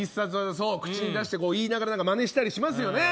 口に出して言いながらマネしたりしますよね。